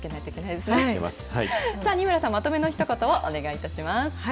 では仁村さん、まとめのひと言をお願いいたします。